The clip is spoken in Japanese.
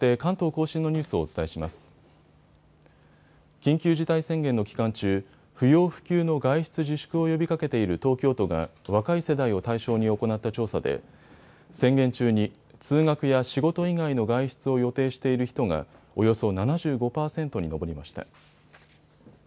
緊急事態宣言の期間中、不要不急の外出自粛を呼びかけている東京都が若い世代を対象に行った調査で宣言中に通学や仕事以外の外出を予定している人がおよそ７５％に上りました。